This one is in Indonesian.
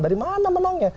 dari mana menangnya